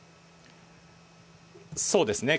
そうですね。